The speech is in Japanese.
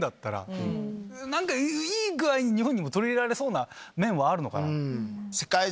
何かいい具合に日本にも取り入れられそうな面はあるのかな。